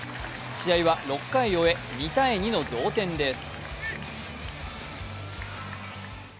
試合は６回を終え、２−２の同点です。